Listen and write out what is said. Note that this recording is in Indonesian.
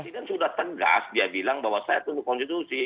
presiden sudah tegas dia bilang bahwa saya tunduk konstitusi